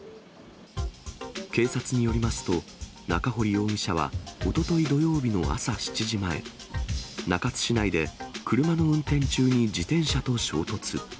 警察によりますと、中堀容疑者はおととい土曜日の朝７時前、中津市内で車の運転中に自転車と衝突。